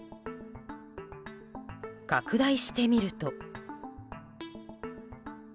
拡大してみると。